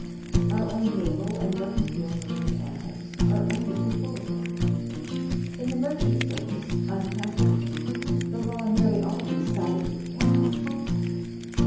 Our own naval and mer cantile marine annals are only too full of them. In the merchant service, unhappily, the law nearly always sided with the captain.